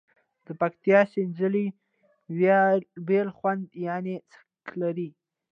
د پکتیکا سینځلي بیل خوند یعني څکه لري.